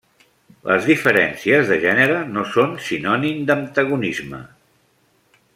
Les diferències de gènere no són sinònim d'antagonisme.